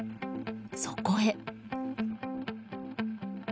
そこへ。